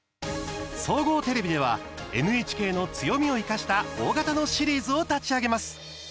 総合テレビではＮＨＫの強みを生かした大型のシリーズを立ち上げます。